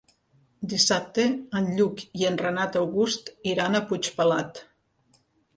Dissabte en Lluc i en Renat August iran a Puigpelat.